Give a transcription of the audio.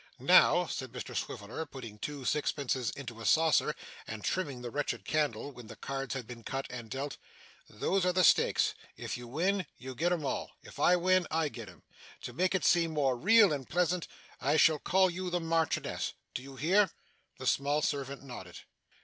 'Now,' said Mr Swiveller, putting two sixpences into a saucer, and trimming the wretched candle, when the cards had been cut and dealt, 'those are the stakes. If you win, you get 'em all. If I win, I get 'em. To make it seem more real and pleasant, I shall call you the Marchioness, do you hear?' The small servant nodded.